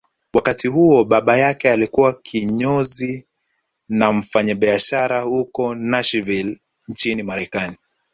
Wakati huo baba yake alikuwa kinyozi na mfanyabiashara huko Narshaville nchini Marekani